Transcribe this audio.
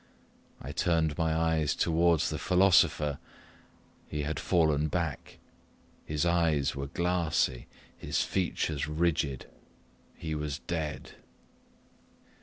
I turned my eyes towards the philosopher; he had fallen back his eyes were glassy his features rigid he was dead!